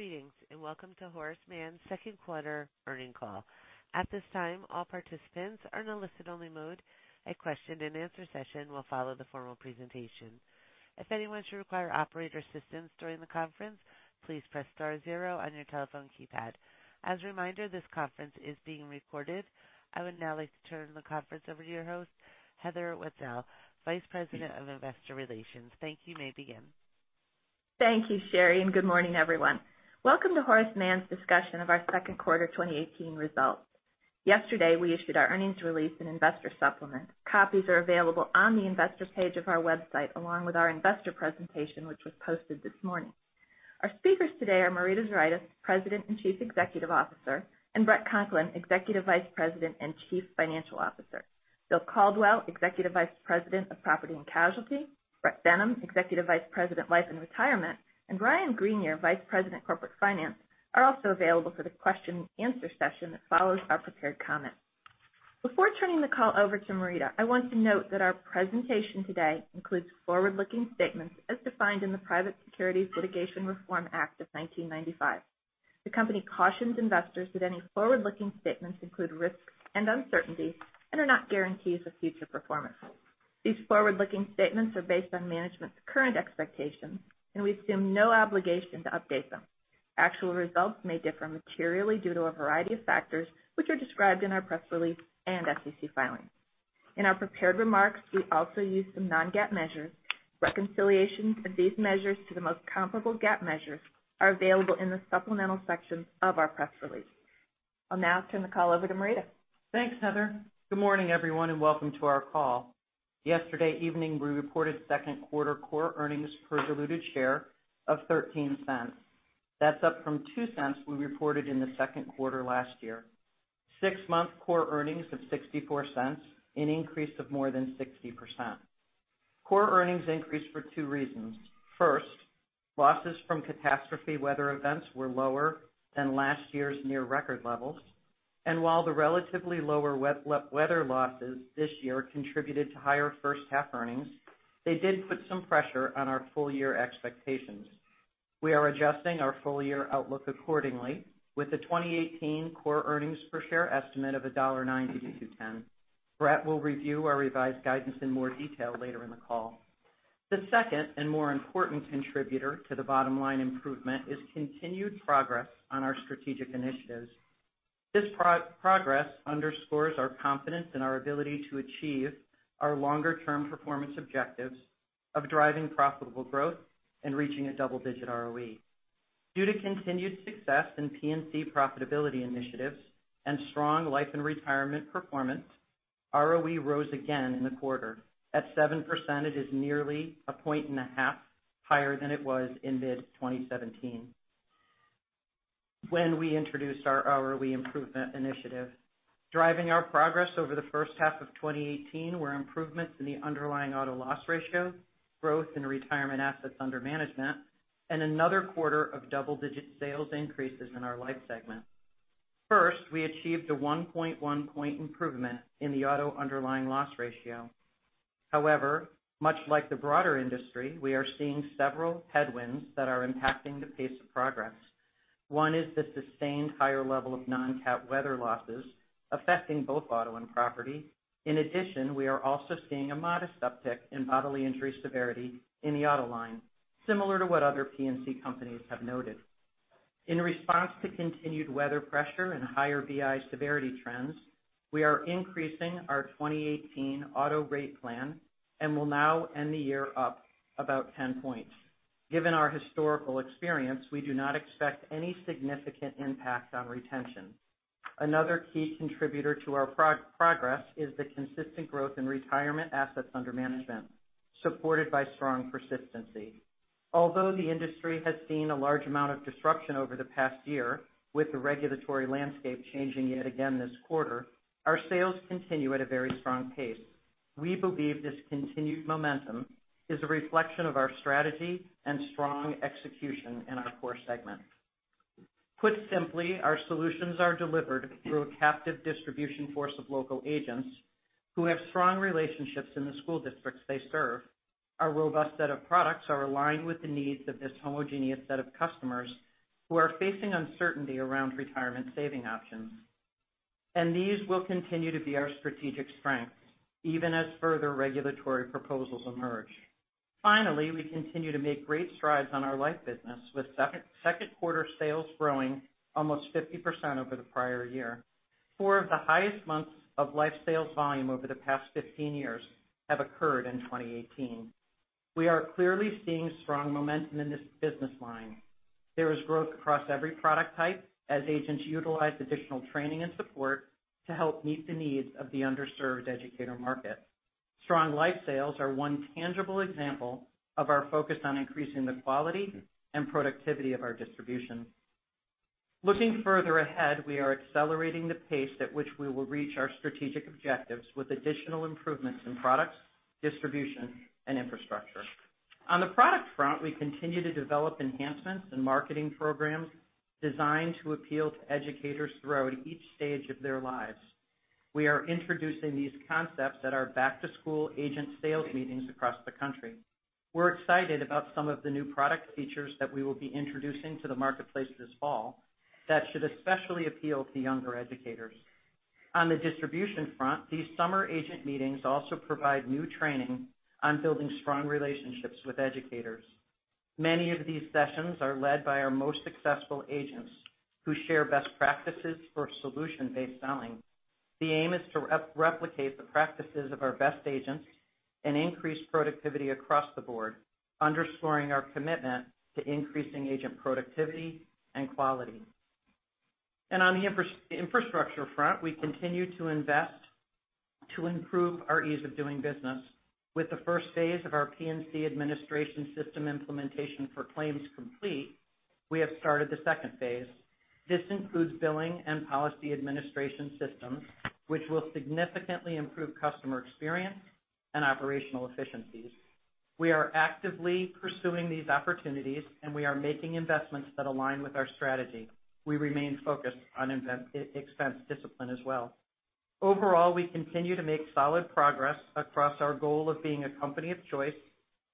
Greetings, welcome to Horace Mann's second quarter earning call. At this time, all participants are in a listen-only mode. A question and answer session will follow the formal presentation. If anyone should require operator assistance during the conference, please press star zero on your telephone keypad. As a reminder, this conference is being recorded. I would now like to turn the conference over to your host, Heather Wietzel, Vice President of Investor Relations. Thank you. You may begin. Thank you, Sherry, good morning, everyone. Welcome to Horace Mann's discussion of our second quarter 2018 results. Yesterday, we issued our earnings release and investor supplement. Copies are available on the investor page of our website, along with our investor presentation, which was posted this morning. Our speakers today are Marita Zuraitis, President and Chief Executive Officer, Bret Conklin, Executive Vice President and Chief Financial Officer. Bill Caldwell, Executive Vice President of Property and Casualty, Bret Benham, Executive Vice President, Life and Retirement, Ryan Greenier, Vice President, Corporate Finance, are also available for the question and answer session that follows our prepared comments. Before turning the call over to Marita, I want to note that our presentation today includes forward-looking statements as defined in the Private Securities Litigation Reform Act of 1995. The company cautions investors that any forward-looking statements include risks and uncertainties and are not guarantees of future performance. These forward-looking statements are based on management's current expectations, we assume no obligation to update them. Actual results may differ materially due to a variety of factors, which are described in our press release and SEC filings. In our prepared remarks, we also use some non-GAAP measures. Reconciliations of these measures to the most comparable GAAP measures are available in the supplemental sections of our press release. I'll now turn the call over to Marita. Thanks, Heather. Good morning, everyone, welcome to our call. Yesterday evening, we reported second quarter core earnings per diluted share of $0.13. That's up from $0.02 we reported in the second quarter last year. Six-month core earnings of $0.64, an increase of more than 60%. Core earnings increased for two reasons. First, losses from catastrophe weather events were lower than last year's near record levels. While the relatively lower weather losses this year contributed to higher first half earnings, they did put some pressure on our full year expectations. We are adjusting our full year outlook accordingly with the 2018 core earnings per share estimate of $1.90-$2.10. Bret will review our revised guidance in more detail later in the call. The second and more important contributor to the bottom line improvement is continued progress on our strategic initiatives. This progress underscores our confidence in our ability to achieve our longer-term performance objectives of driving profitable growth and reaching a double-digit ROE. Due to continued success in P&C profitability initiatives and strong Life and Retirement performance, ROE rose again in the quarter. At 7%, it is nearly a point and a half higher than it was in mid-2017 when we introduced our hourly improvement initiative. Driving our progress over the first half of 2018 were improvements in the underlying auto loss ratio, growth in retirement assets under management, and another quarter of double-digit sales increases in our life segment. First, we achieved a 1.1 point improvement in the auto underlying loss ratio. However, much like the broader industry, we are seeing several headwinds that are impacting the pace of progress. One is the sustained higher level of non-cat weather losses affecting both auto and property. In addition, we are also seeing a modest uptick in bodily injury severity in the auto line, similar to what other P&C companies have noted. In response to continued weather pressure and higher BI severity trends, we are increasing our 2018 auto rate plan and will now end the year up about 10 points. Given our historical experience, we do not expect any significant impact on retention. Another key contributor to our progress is the consistent growth in retirement assets under management, supported by strong persistency. Although the industry has seen a large amount of disruption over the past year with the regulatory landscape changing yet again this quarter, our sales continue at a very strong pace. We believe this continued momentum is a reflection of our strategy and strong execution in our core segments. Put simply, our solutions are delivered through a captive distribution force of local agents who have strong relationships in the school districts they serve. Our robust set of products are aligned with the needs of this homogeneous set of customers who are facing uncertainty around retirement saving options. These will continue to be our strategic strengths, even as further regulatory proposals emerge. Finally, we continue to make great strides on our life business, with second quarter sales growing almost 50% over the prior year. Four of the highest months of life sales volume over the past 15 years have occurred in 2018. We are clearly seeing strong momentum in this business line. There is growth across every product type as agents utilize additional training and support to help meet the needs of the underserved educator market. Strong life sales are one tangible example of our focus on increasing the quality and productivity of our distribution. Looking further ahead, we are accelerating the pace at which we will reach our strategic objectives with additional improvements in products, distribution, and infrastructure. On the product front, we continue to develop enhancements and marketing programs designed to appeal to educators throughout each stage of their lives. We are introducing these concepts at our back-to-school agent sales meetings across the country. We're excited about some of the new product features that we will be introducing to the marketplace this fall that should especially appeal to younger educators. On the distribution front, these summer agent meetings also provide new training on building strong relationships with educators. Many of these sessions are led by our most successful agents, who share best practices for solution-based selling. The aim is to replicate the practices of our best agents and increase productivity across the board, underscoring our commitment to increasing agent productivity and quality. On the infrastructure front, we continue to invest to improve our ease of doing business. With the first phase of our P&C administration system implementation for claims complete, we have started the second phase. This includes billing and policy administration systems, which will significantly improve customer experience and operational efficiencies. We are actively pursuing these opportunities, and we are making investments that align with our strategy. We remain focused on expense discipline as well. Overall, we continue to make solid progress across our goal of being a company of choice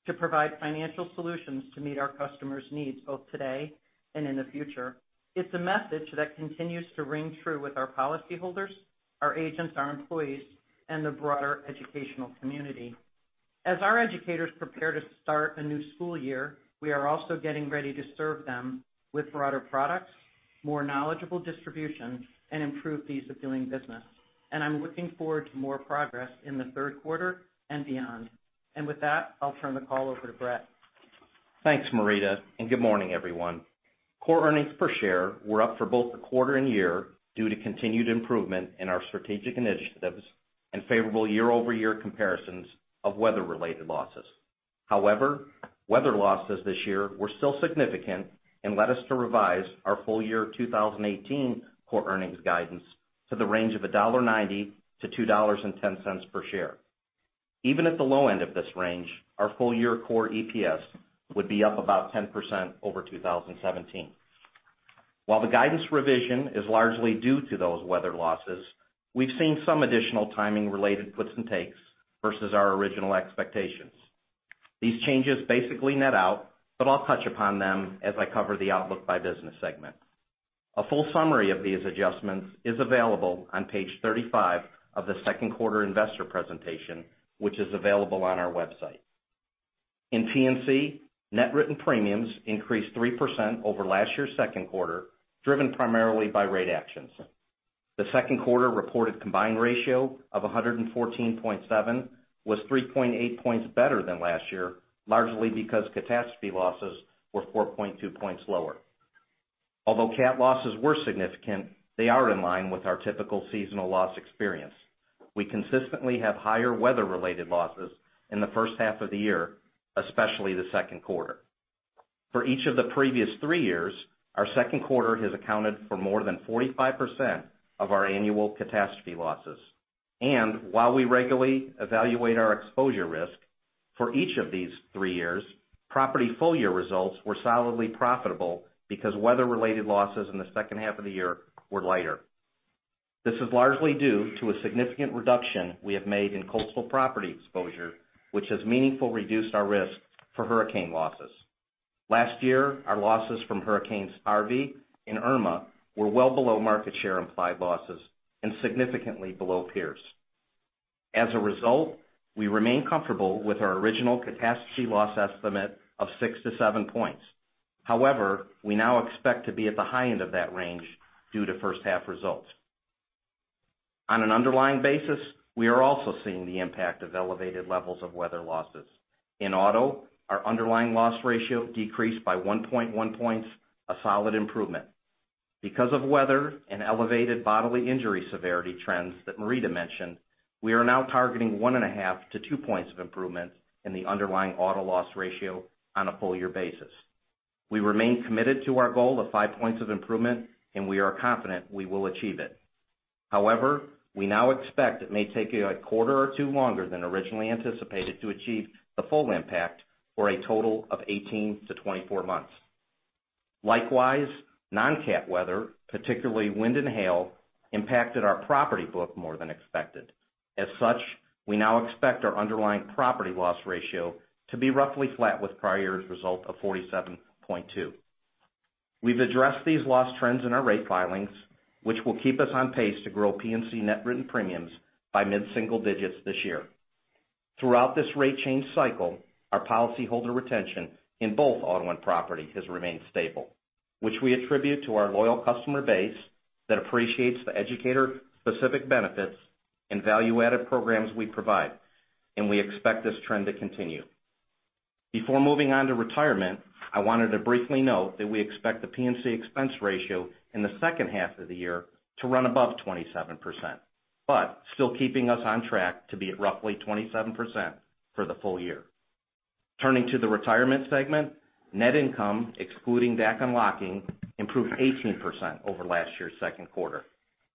to provide financial solutions to meet our customers' needs, both today and in the future. It's a message that continues to ring true with our policyholders, our agents, our employees, and the broader educational community. As our educators prepare to start a new school year, we are also getting ready to serve them with broader products, more knowledgeable distribution, and improved ease of doing business. I'm looking forward to more progress in the third quarter and beyond. With that, I'll turn the call over to Bret. Thanks, Marita, good morning, everyone. Core earnings per share were up for both the quarter and year due to continued improvement in our strategic initiatives and favorable year-over-year comparisons of weather-related losses. However, weather losses this year were still significant and led us to revise our full-year 2018 core earnings guidance to the range of $1.90-$2.10 per share. Even at the low end of this range, our full-year core EPS would be up about 10% over 2017. While the guidance revision is largely due to those weather losses, we've seen some additional timing related puts and takes versus our original expectations. These changes basically net out, but I'll touch upon them as I cover the outlook by business segment. A full summary of these adjustments is available on page 35 of the second quarter investor presentation, which is available on our website. In P&C, net written premiums increased 3% over last year's second quarter, driven primarily by rate actions. The second quarter reported combined ratio of 114.7 was 3.8 points better than last year, largely because catastrophe losses were 4.2 points lower. Although cat losses were significant, they are in line with our typical seasonal loss experience. We consistently have higher weather-related losses in the first half of the year, especially the second quarter. For each of the previous three years, our second quarter has accounted for more than 45% of our annual catastrophe losses. While we regularly evaluate our exposure risk, for each of these three years, property full-year results were solidly profitable because weather-related losses in the second half of the year were lighter. This is largely due to a significant reduction we have made in coastal property exposure, which has meaningfully reduced our risk for hurricane losses. Last year, our losses from hurricanes Harvey and Irma were well below market share implied losses and significantly below peers. As a result, we remain comfortable with our original catastrophe loss estimate of 6 to 7 points. However, we now expect to be at the high end of that range due to first half results. On an underlying basis, we are also seeing the impact of elevated levels of weather losses. In auto, our underlying loss ratio decreased by 1.1 points, a solid improvement. Because of weather and elevated bodily injury severity trends that Marita mentioned, we are now targeting 1.5 to 2 points of improvement in the underlying auto loss ratio on a full-year basis. We remain committed to our goal of 5 points of improvement, and we are confident we will achieve it. However, we now expect it may take a quarter or 2 longer than originally anticipated to achieve the full impact for a total of 18 to 24 months. Likewise, non-cat weather, particularly wind and hail, impacted our property book more than expected. As such, we now expect our underlying property loss ratio to be roughly flat with prior year's result of 47.2. We've addressed these loss trends in our rate filings, which will keep us on pace to grow P&C net written premiums by mid-single digits this year. Throughout this rate change cycle, our policyholder retention in both auto and property has remained stable, which we attribute to our loyal customer base that appreciates the educator-specific benefits and value-added programs we provide, and we expect this trend to continue. Before moving on to Retirement, I wanted to briefly note that we expect the P&C expense ratio in the second half of the year to run above 27%, but still keeping us on track to be at roughly 27% for the full year. Turning to the Retirement segment, net income, excluding DAC unlocking, improved 18% over last year's second quarter.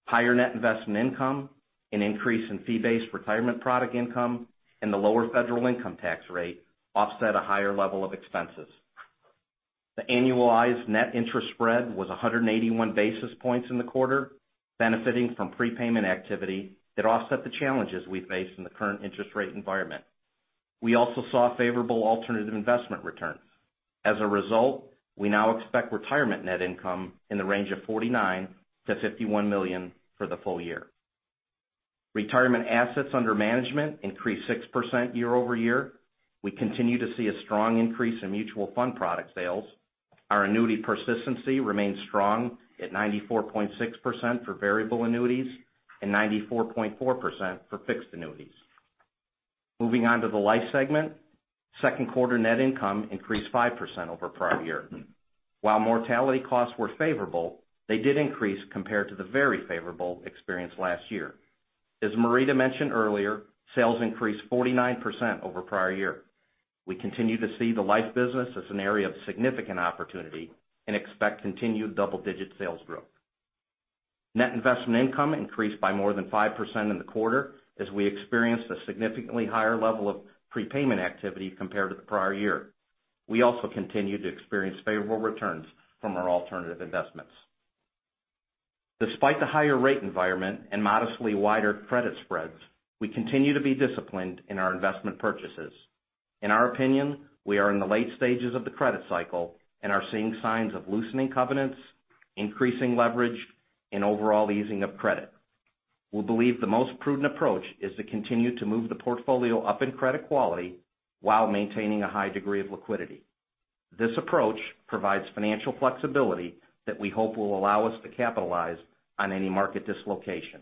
Higher net investment income, an increase in fee-based retirement product income, and the lower federal income tax rate offset a higher level of expenses. The annualized net interest spread was 181 basis points in the quarter, benefiting from prepayment activity that offset the challenges we faced in the current interest rate environment. We also saw favorable alternative investment returns. As a result, we now expect Retirement net income in the range of $49 million to $51 million for the full year. Retirement assets under management increased 6% year over year. We continue to see a strong increase in mutual fund product sales. Our annuity persistency remains strong at 94.6% for variable annuities and 94.4% for fixed annuities. Moving on to the Life segment. Second quarter net income increased 5% over prior year. While mortality costs were favorable, they did increase compared to the very favorable experience last year. As Marita mentioned earlier, sales increased 49% over prior year. We continue to see the Life business as an area of significant opportunity and expect continued double-digit sales growth. Net investment income increased by more than 5% in the quarter as we experienced a significantly higher level of prepayment activity compared to the prior year. We also continue to experience favorable returns from our alternative investments. Despite the higher rate environment and modestly wider credit spreads, we continue to be disciplined in our investment purchases. In our opinion, we are in the late stages of the credit cycle and are seeing signs of loosening covenants, increasing leverage, and overall easing of credit. We believe the most prudent approach is to continue to move the portfolio up in credit quality while maintaining a high degree of liquidity. This approach provides financial flexibility that we hope will allow us to capitalize on any market dislocation.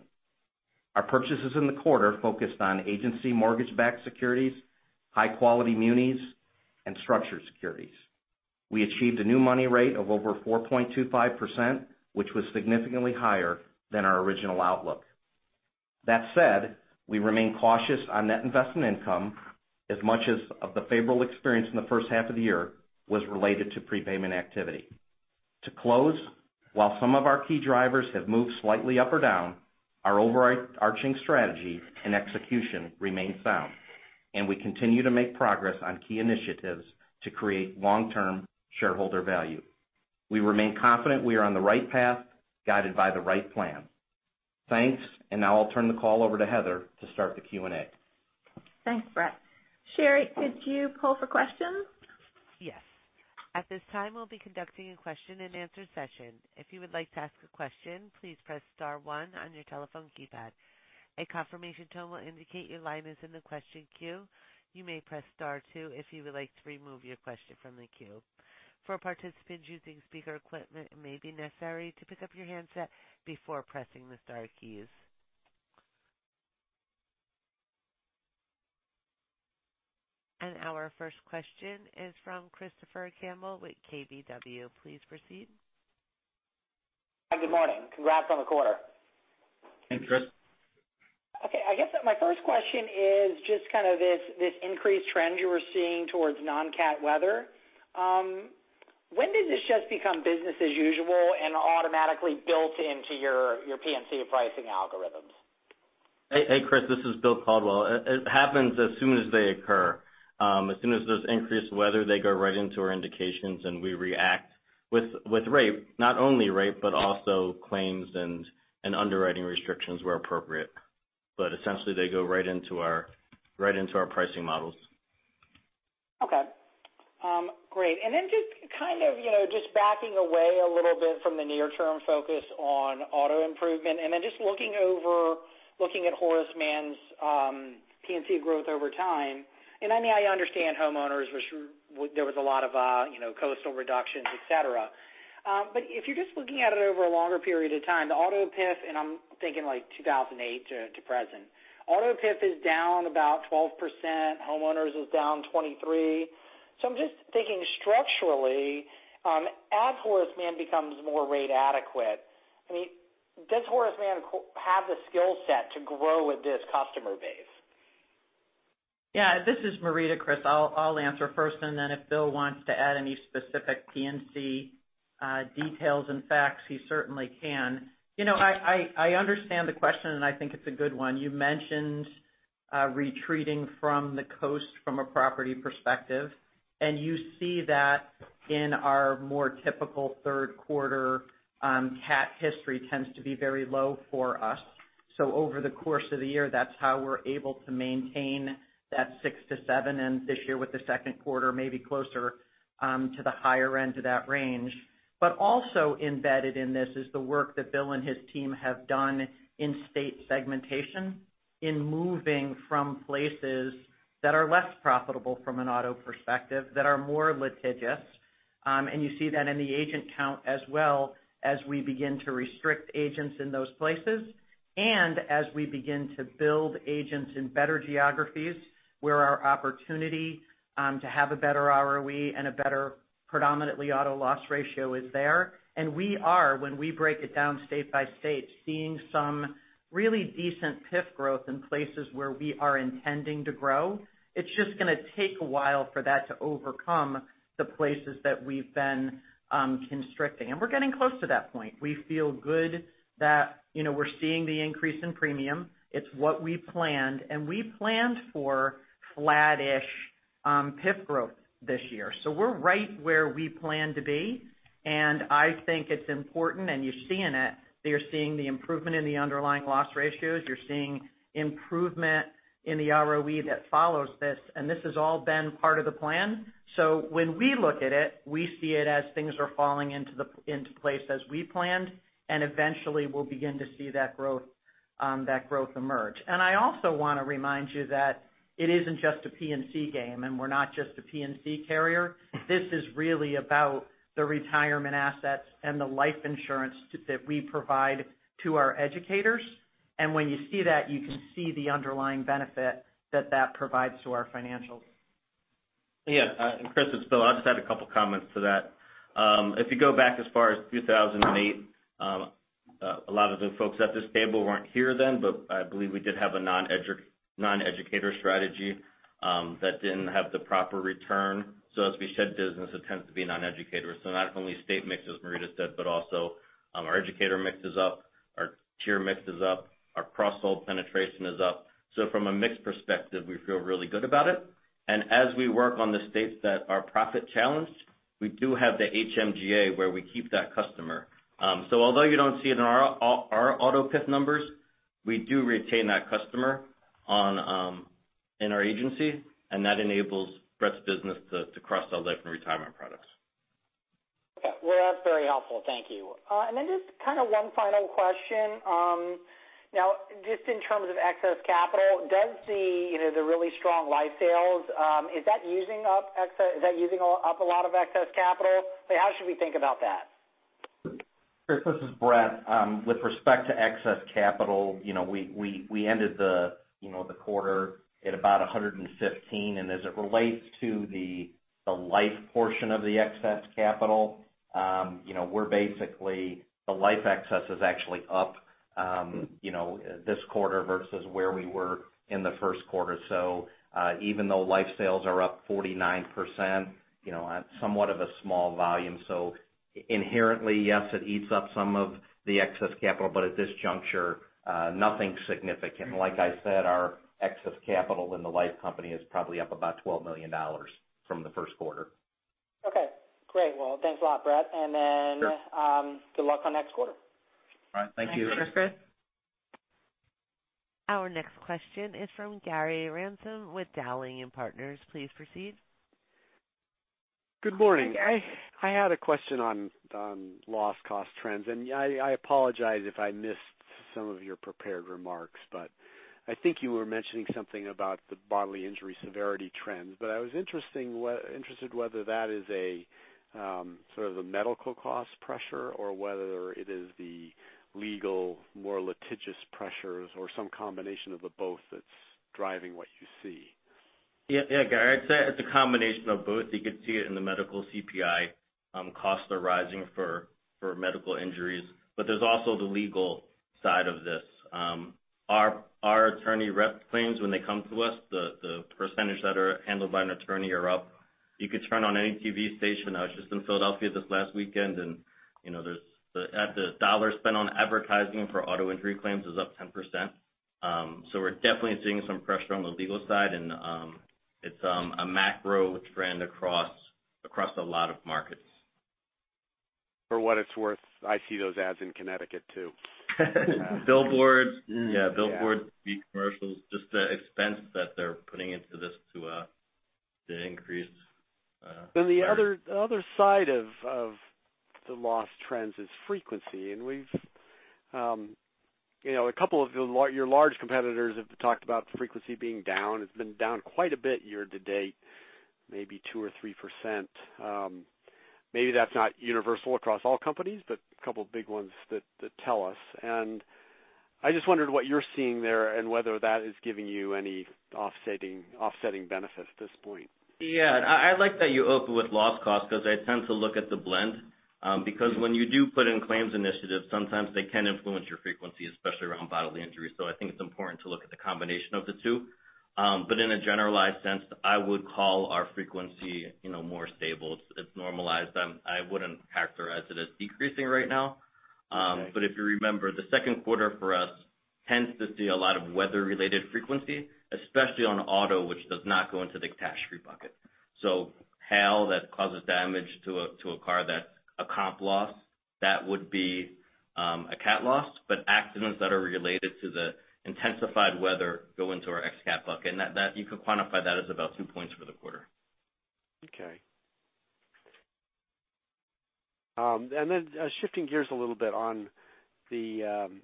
Our purchases in the quarter focused on agency mortgage-backed securities, high-quality munis, and structured securities. We achieved a new money rate of over 4.25%, which was significantly higher than our original outlook. That said, we remain cautious on net investment income, as much of the favorable experience in the first half of the year was related to prepayment activity. To close, while some of our key drivers have moved slightly up or down, our overarching strategy and execution remain sound, and we continue to make progress on key initiatives to create long-term shareholder value. We remain confident we are on the right path, guided by the right plan. Thanks. Now I'll turn the call over to Heather to start the Q&A. Thanks, Bret. Sherry, could you call for questions? Yes. At this time, we'll be conducting a question-and-answer session. If you would like to ask a question, please press star one on your telephone keypad. A confirmation tone will indicate your line is in the question queue. You may press star two if you would like to remove your question from the queue. For participants using speaker equipment, it may be necessary to pick up your handset before pressing the star keys. Our first question is from Christopher Campbell with KBW. Please proceed. Good morning. Congrats on the quarter. Thanks, Chris. Okay. I guess that my first question is just kind of this increased trend you were seeing towards non-cat weather. When does this just become business as usual and automatically built into your P&C pricing algorithms? Hey, Chris, this is William Caldwell. It happens as soon as they occur. As soon as there's increased weather, they go right into our indications, and we react with rate, not only rate, but also claims and underwriting restrictions where appropriate. Essentially, they go right into our pricing models. Okay. Great. Just kind of backing away a little bit from the near-term focus on auto improvement, and then just looking at Horace Mann's P&C growth over time. I understand homeowners, there was a lot of coastal reductions, et cetera. If you're just looking at it over a longer period of time, the auto PIF, and I'm thinking like 2008 to present. Auto PIF is down about 12%, homeowners is down 23%. I'm just thinking structurally, as Horace Mann becomes more rate adequate, does Horace Mann have the skill set to grow with this customer base? Yeah, this is Marita, Chris. I'll answer first, and then if Bill wants to add any specific P&C details and facts, he certainly can. I understand the question, and I think it's a good one. You mentioned retreating from the coast from a property perspective, and you see that in our more typical third quarter, cat history tends to be very low for us. Over the course of the year, that's how we're able to maintain that 6%-7%, and this year with the second quarter, maybe closer to the higher end of that range. Also embedded in this is the work that Bill and his team have done in state segmentation in moving from places that are less profitable from an auto perspective, that are more litigious. You see that in the agent count as well as we begin to restrict agents in those places and as we begin to build agents in better geographies where our opportunity to have a better ROE and a better predominantly auto loss ratio is there. We are, when we break it down state by state, seeing some really decent PIF growth in places where we are intending to grow. It's just going to take a while for that to overcome the places that we've been constricting. We're getting close to that point. We feel good that we're seeing the increase in premium. It's what we planned, and we planned for flattish PIF growth this year. We're right where we planned to be, and I think it's important, and you're seeing it, that you're seeing the improvement in the underlying loss ratios, you're seeing improvement in the ROE that follows this, and this has all been part of the plan. When we look at it, we see it as things are falling into place as we planned, and eventually we'll begin to see that growth emerge. I also want to remind you that it isn't just a P&C game, and we're not just a P&C carrier. This is really about the retirement assets and the life insurance that we provide to our educators. When you see that, you can see the underlying benefit that that provides to our financials. Chris, it's Bill. I just had a couple comments to that. If you go back as far as 2008, a lot of the folks at this table weren't here then, but I believe we did have a non-educator strategy that didn't have the proper return. As we shed business, it tends to be non-educator. Not only state mix, as Marita said, but also our educator mix is up, our tier mix is up, our cross-sell penetration is up. From a mix perspective, we feel really good about it. As we work on the states that are profit-challenged, we do have the HMGA, where we keep that customer. Although you don't see it in our auto PIF numbers, we do retain that customer in our agency, and that enables Bret's business to cross-sell Life and Retirement products. Well, that's very helpful. Thank you. Then just one final question. Just in terms of excess capital, does the really strong life sales, is that using up a lot of excess capital? How should we think about that? Chris, this is Bret. With respect to excess capital, we ended the quarter at about 115, and as it relates to the life portion of the excess capital, the life excess is actually up this quarter versus where we were in the first quarter. Even though life sales are up 49%, on somewhat of a small volume, inherently, yes, it eats up some of the excess capital, but at this juncture, nothing significant. Like I said, our excess capital in the life company is probably up about $12 million from the first quarter. Great. Well, thanks a lot, Bret. Sure. Good luck on next quarter. All right. Thank you. Thanks. Thanks, Chris. Our next question is from Gary Ransom with Dowling & Partners. Please proceed. Good morning. I had a question on loss cost trends. I apologize if I missed some of your prepared remarks, but I think you were mentioning something about the bodily injury severity trends. I was interested whether that is a sort of a medical cost pressure or whether it is the legal, more litigious pressures or some combination of the both that's driving what you see. Yeah, Gary. I'd say it's a combination of both. You could see it in the medical CPI. Costs are rising for medical injuries. There's also the legal side of this. Our attorney rep claims, when they come to us, the percentage that are handled by an attorney are up. You could turn on any TV station. I was just in Philadelphia this last weekend. The dollar spent on advertising for auto injury claims is up 10%. We're definitely seeing some pressure on the legal side. It's a macro trend across a lot of markets. For what it's worth, I see those ads in Connecticut too. Billboards. Yeah. Yeah, billboards, TV commercials, just the expense that they're putting into this to increase. The other side of the loss trends is frequency, a couple of your large competitors have talked about frequency being down. It's been down quite a bit year-to-date, maybe 2% or 3%. Maybe that's not universal across all companies, but a couple of big ones that tell us, I just wondered what you're seeing there and whether that is giving you any offsetting benefit at this point. Yeah. I like that you opened with loss cost because I tend to look at the blend, because when you do put in claims initiatives, sometimes they can influence your frequency, especially around bodily injuries. I think it's important to look at the combination of the two. In a generalized sense, I would call our frequency more stable. It's normalized. I wouldn't characterize it as decreasing right now. Okay. If you remember, the second quarter for us tends to see a lot of weather-related frequency, especially on auto, which does not go into the catastrophe bucket. Hail that causes damage to a car, that's a comp loss. That would be a cat loss. Accidents that are related to the intensified weather go into our ex-cat bucket, and you could quantify that as about 2 points for the quarter. Okay. Shifting gears a little bit on the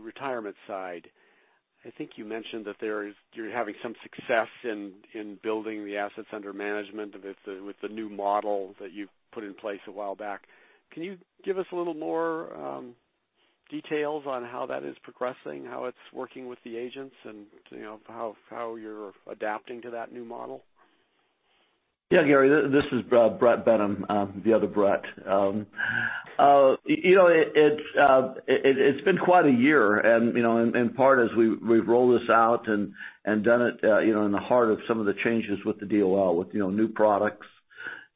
retirement side. I think you mentioned that you're having some success in building the assets under management with the new model that you've put in place a while back. Can you give us a little more details on how that is progressing, how it's working with the agents, and how you're adapting to that new model? Yeah, Gary. This is Bret Benham, the other Bret. It's been quite a year. In part, as we roll this out and done it in the heart of some of the changes with the DOL, with new products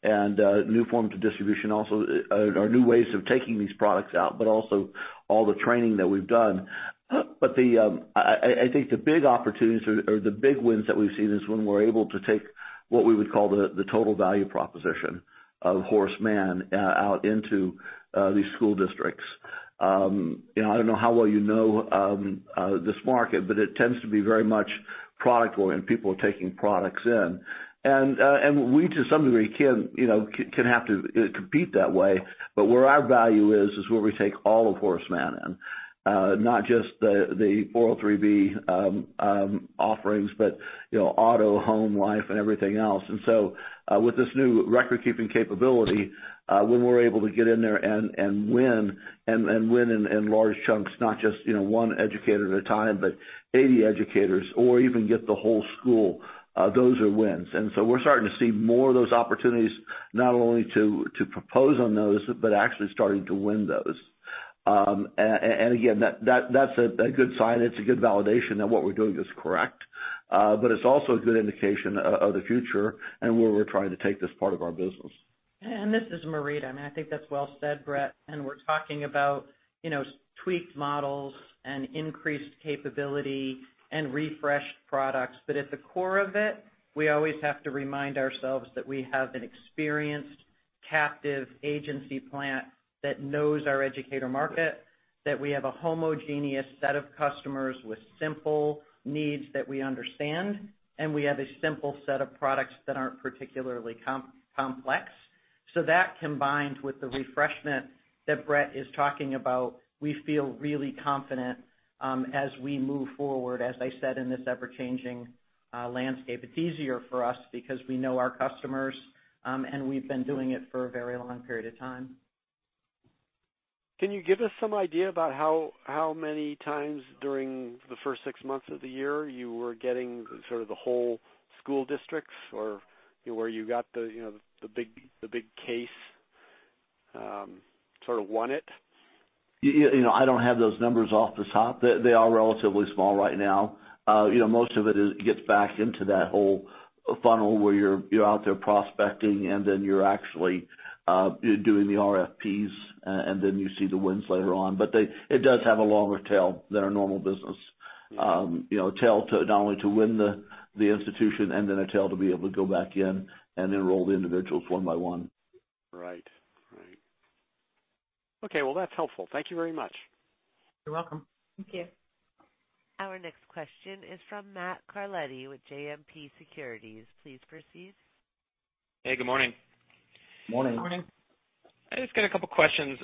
and new forms of distribution also, or new ways of taking these products out, also all the training that we've done. I think the big opportunities or the big wins that we've seen is when we're able to take what we would call the total value proposition of Horace Mann out into these school districts. I don't know how well you know this market, it tends to be very much product-oriented, people are taking products in. We, to some degree, can have to compete that way. Where our value is where we take all of Horace Mann in. Not just the 403 offerings, but auto, home, life, and everything else. With this new record-keeping capability, when we're able to get in there and win, and win in large chunks, not just one educator at a time, but 80 educators or even get the whole school, those are wins. We're starting to see more of those opportunities, not only to propose on those, but actually starting to win those. Again, that's a good sign. It's a good validation that what we're doing is correct. It's also a good indication of the future and where we're trying to take this part of our business. And this is Marita. I think that's well said, Bret. We're talking about tweaked models and increased capability and refreshed products. At the core of it, we always have to remind ourselves that we have an experienced captive agency plant that knows our educator market, that we have a homogeneous set of customers with simple needs that we understand, and we have a simple set of products that aren't particularly complex. That combined with the refreshment that Bret is talking about, we feel really confident as we move forward, as I said, in this ever-changing landscape. It's easier for us because we know our customers, and we've been doing it for a very long period of time. Can you give us some idea about how many times during the first six months of the year you were getting sort of the whole school districts, or where you got the big case, sort of won it? I don't have those numbers off the top. They are relatively small right now. Most of it gets back into that whole funnel where you're out there prospecting and then you're actually doing the RFPs, and then you see the wins later on. It does have a longer tail than our normal business. Tail to not only to win the institution and then a tail to be able to go back in and enroll the individuals one by one. Right. Okay, well, that's helpful. Thank you very much. You're welcome. Thank you. Our next question is from Matthew Carletti with JMP Securities. Please proceed. Hey, good morning. Morning. Morning. I just got a couple of questions.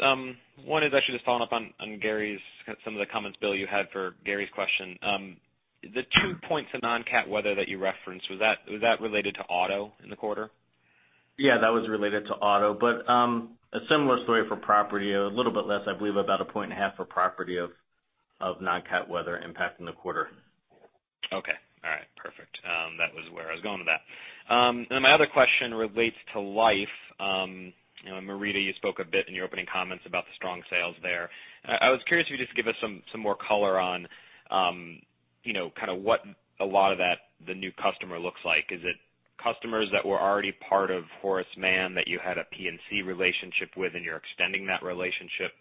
One is actually just following up on Gary's, some of the comments, Bill, you had for Gary's question. The two points of non-cat weather that you referenced, was that related to auto in the quarter? Yeah, that was related to auto. A similar story for property, a little bit less, I believe, about a point and a half for property of non-cat weather impacting the quarter. Okay. All right. Perfect. That was where I was going with that. My other question relates to life. Marita, you spoke a bit in your opening comments about the strong sales there. I was curious if you could just give us some more color on kind of what a lot of that, the new customer looks like. Is it customers that were already part of Horace Mann that you had a P&C relationship with and you're extending that relationship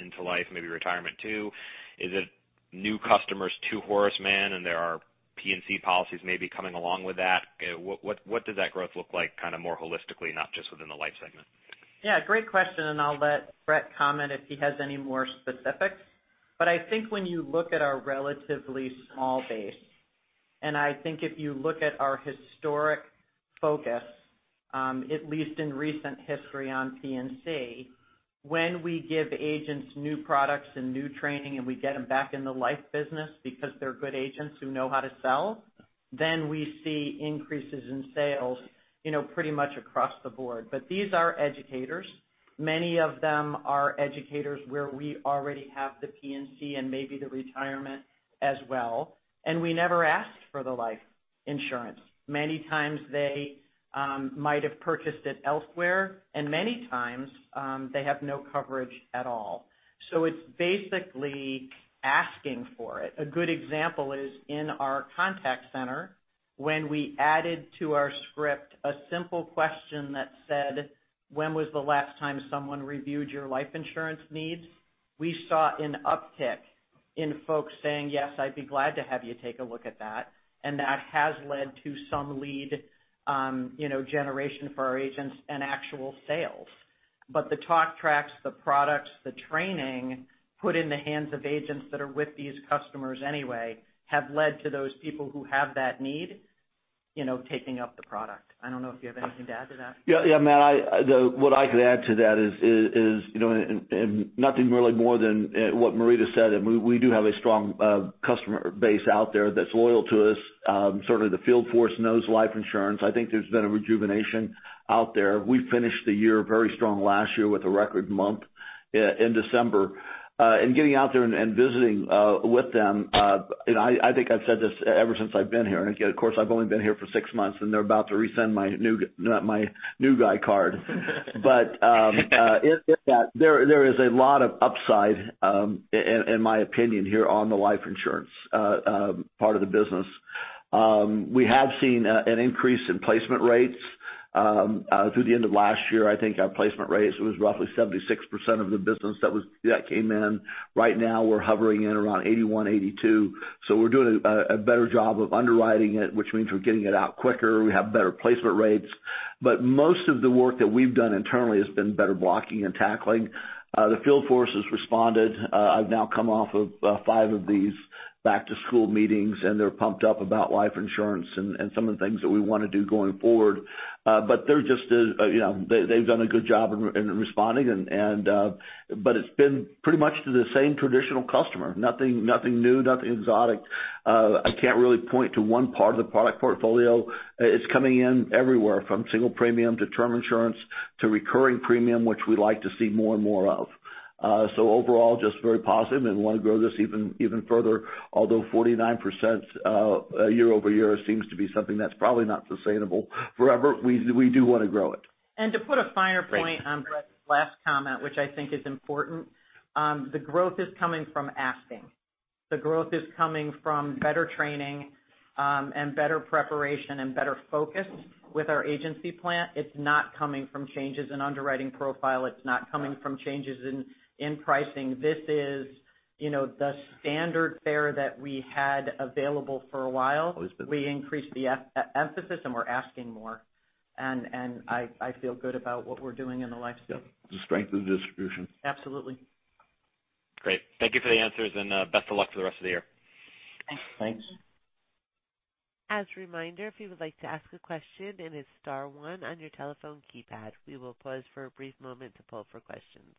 into life, maybe retirement too? Is it new customers to Horace Mann, and there are P&C policies maybe coming along with that? What does that growth look like kind of more holistically, not just within the life segment? Yeah, great question. I'll let Bret comment if he has any more specifics. I think when you look at our relatively small base, and I think if you look at our historic focus, at least in recent history on P&C, when we give agents new products and new training, and we get them back in the life business because they're good agents who know how to sell, then we see increases in sales pretty much across the board. These are educators. Many of them are educators where we already have the P&C and maybe the retirement as well. We never asked for the life insurance. Many times they might have purchased it elsewhere, and many times, they have no coverage at all. It's basically asking for it. A good example is in our contact center, when we added to our script a simple question that said, "When was the last time someone reviewed your life insurance needs?" We saw an uptick in folks saying, "Yes, I'd be glad to have you take a look at that." That has led to some lead generation for our agents and actual sales. The talk tracks, the products, the training put in the hands of agents that are with these customers anyway, have led to those people who have that need taking up the product. I don't know if you have anything to add to that. Yeah, Matt, what I could add to that is, nothing really more than what Marita said, and we do have a strong customer base out there that's loyal to us. Sort of the field force knows life insurance. I think there's been a rejuvenation out there. We finished the year very strong last year with a record month in December. Getting out there and visiting with them, and I think I've said this ever since I've been here, and of course, I've only been here for six months, and they're about to resend my new guy card. There is a lot of upside, in my opinion, here on the life insurance part of the business. We have seen an increase in placement rates. Through the end of last year, I think our placement rates was roughly 76% of the business that came in. Right now, we're hovering in around 81, 82. We're doing a better job of underwriting it, which means we're getting it out quicker, we have better placement rates. Most of the work that we've done internally has been better blocking and tackling. The field force has responded. I've now come off of five of these back-to-school meetings, they're pumped up about life insurance and some of the things that we want to do going forward. They've done a good job in responding, but it's been pretty much to the same traditional customer. Nothing new, nothing exotic. I can't really point to one part of the product portfolio. It's coming in everywhere, from single premium to term insurance to recurring premium, which we like to see more and more of. Overall, just very positive and want to grow this even further. Although 49% year-over-year seems to be something that's probably not sustainable forever, we do want to grow it. To put a finer point on Bret's last comment, which I think is important, the growth is coming from asking. The growth is coming from better training, and better preparation, and better focus with our agency plan. It's not coming from changes in underwriting profile. It's not coming from changes in pricing. This is the standard bearer that we had available for a while. Always been. We increased the emphasis and we're asking more, and I feel good about what we're doing in the life skill. The strength of the distribution. Absolutely. Great. Thank you for the answers, and best of luck for the rest of the year. Thanks. Thanks. As a reminder, if you would like to ask a question, it is star one on your telephone keypad. We will pause for a brief moment to poll for questions.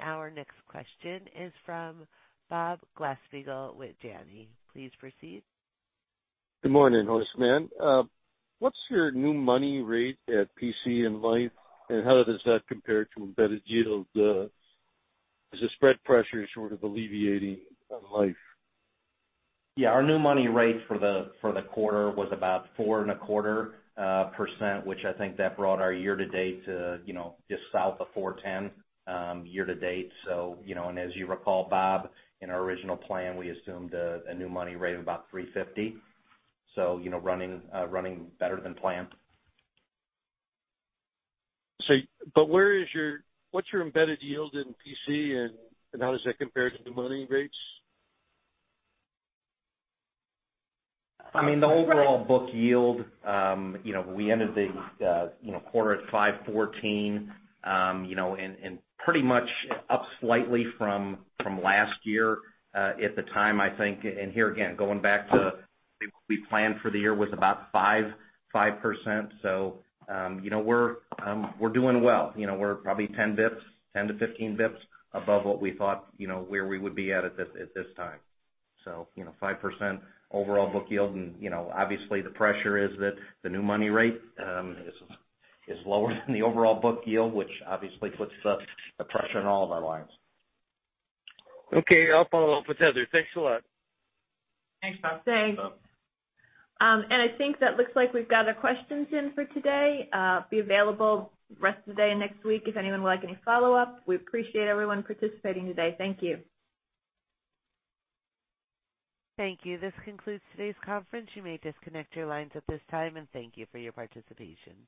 Our next question is from Bob Glasspiegel with Janney. Please proceed. Good morning, Horace Mann. What's your new money rate at P&C and Life, and how does that compare to embedded yield? Is the spread pressure sort of alleviating on Life? Our new money rate for the quarter was about 4.25%, which I think that brought our year-to-date to just south of 4.10% year-to-date. As you recall, Bob, in our original plan, we assumed a new money rate of about 3.50%, running better than planned. What's your embedded yield in P&C, how does that compare to the money rates? I mean, the overall book yield, we ended the quarter at 5.14%, pretty much up slightly from last year. At the time, I think, here again, going back to what we planned for the year was about 5%. We're doing well. We're probably 10-15 basis points above what we thought where we would be at this time. 5% overall book yield, obviously the pressure is that the new money rate is lower than the overall book yield, which obviously puts the pressure on all of our lines. Okay. I'll follow up with Heather. Thanks a lot. Thanks, Bob. Thanks, Bob. I think that looks like we've gathered questions in for today. Be available rest of the day, next week, if anyone would like any follow-up. We appreciate everyone participating today. Thank you. Thank you. This concludes today's conference. You may disconnect your lines at this time, and thank you for your participation.